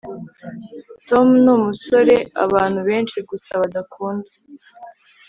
tom numusore abantu benshi gusa badakunda